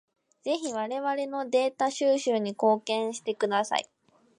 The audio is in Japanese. ぜひ我々のデータ収集に貢献してください。